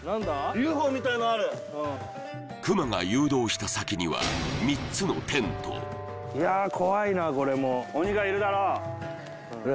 ＵＦＯみたいのあるクマが誘導した先には３つのテントいや怖いなこれも鬼がいるだろ！